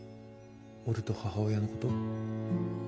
俺と母親のこと？